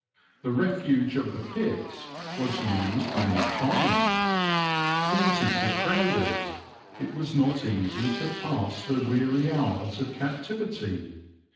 The refuge of the pits was used many times; quarters were crowded; it was not easy to pass the weary hours of captivity.